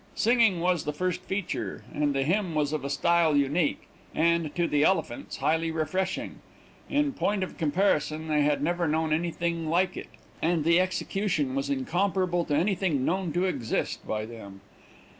Singing was the first feature, and the hymn was of a style unique, and, to the Elephants, highly refreshing. In point of comparison they had never known anything like it, and the execution was incomparable to anything known to exist by them.